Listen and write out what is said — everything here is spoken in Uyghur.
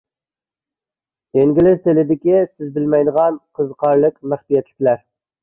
ئىنگلىز تىلىدىكى سىز بىلمەيدىغان قىزىقارلىق مەخپىيەتلىكلەر.